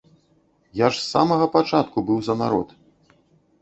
Я ж з самага пачатку быў за народ.